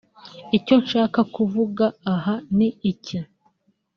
Icyo nshaka kuvuga aha ni iki